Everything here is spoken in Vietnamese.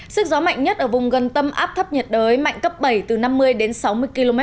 sức gió mạnh nhất ở vùng gần tâm áp thấp nhiệt đới mạnh cấp bảy từ năm mươi đến sáu mươi km